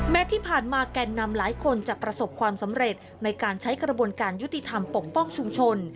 ที่ผ่านมาแกนนำหลายคนจะประสบความสำเร็จในการใช้กระบวนการยุติธรรมปกป้องชุมชน